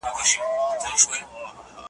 او پر ځان یې حرام کړي وه خوبونه ,